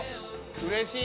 うれしい。